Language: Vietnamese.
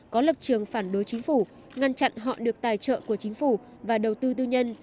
có lập trường phản đối chính phủ ngăn chặn họ được tài trợ của chính phủ và đầu tư tư nhân